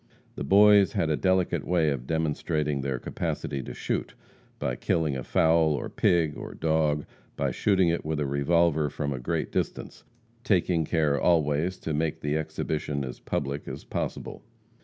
The boys had a delicate way of demonstrating their capacity to shoot, by killing a fowl, or pig, or dog, by shooting it with a revolver from a great distance, taking care always to make the exhibition as public as possible.